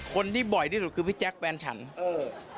คนที่บ่อยที่สุดคือพี่แจ๊คแฟนฉันเออ